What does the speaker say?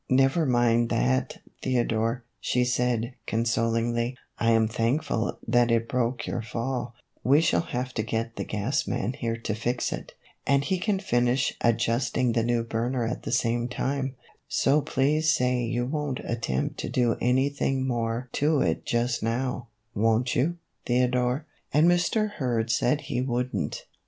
"Never mind that, Theodore," she said, con solingly, " I 'm thankful that it broke your fall ; we shall have to get the gas man here to fix it, and he can finish adjusting the new burner at the same time, so please say you won't attempt to do any thing more to it just now, won't you, Theodore ?" And Mr. Hurd said he would n't.